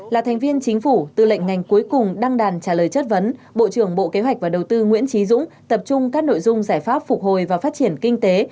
là thành viên chính phủ tư lệnh ngành cuối cùng đăng đàn trả lời chất vấn bộ trưởng bộ kế hoạch và đầu tư nguyễn trí dũng tập trung các nội dung giải pháp phục hồi và phát triển kinh tế